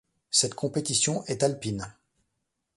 Cette compétition est alpine.